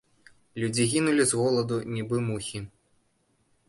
Людзі гінулі з голаду, нібы мухі.